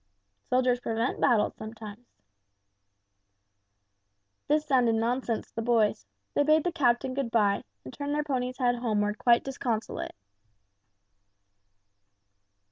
"Soldiers prevent battles, sometimes." This sounded nonsense to the boys. They bade the captain good bye, and turned their pony's head homeward quite disconsolate.